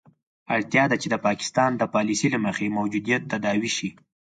اړتیا ده چې د پاکستان د پالیسي له مخې موجودیت تداوي شي.